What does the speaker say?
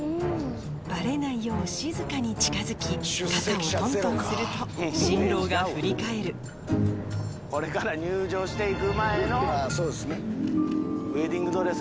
バレないよう静かに近づき肩をトントンすると新郎が振り返るウエディングドレス